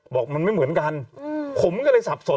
บอกมันไม่เหมือนกันผมก็เลยสับสน